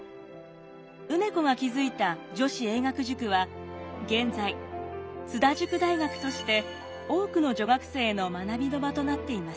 梅子が築いた女子英学塾は現在津田塾大学として多くの女学生の学びの場となっています。